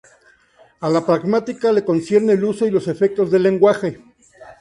A la pragmática le concierne el uso y los efectos del lenguaje.